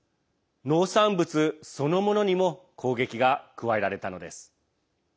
農産物そのものにも攻撃が加えられたのです。